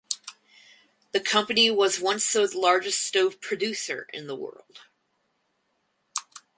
The company was once the largest stove producer in the world.